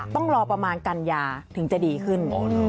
ต้องรอประมาณกันยาถึงจะดีขึ้น